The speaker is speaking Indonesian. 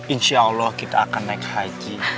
insya allah kita akan naik haji